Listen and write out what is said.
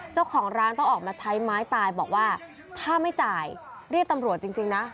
เจ้าของร้านต้องออกมาใช้ไม้ตายบอกว่าถ้าไม่จ่ายเรียกตำรวจจริงนะ